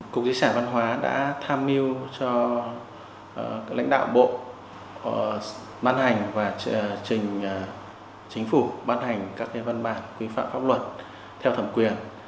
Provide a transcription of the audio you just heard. cục di sản văn hóa đã tham mưu cho lãnh đạo bộ ban hành và trình chính phủ ban hành các văn bản quy phạm pháp luật theo thẩm quyền